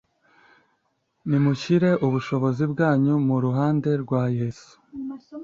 Nimushyire ubushobozi bwanyu mu ruhande rwa Yesu.